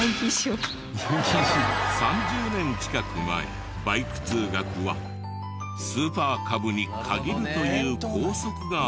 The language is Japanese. ３０年近く前バイク通学はスーパーカブに限るという校則があったらしく。